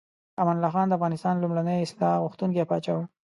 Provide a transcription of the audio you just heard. امان الله خان د افغانستان لومړنی اصلاح غوښتونکی پاچا و.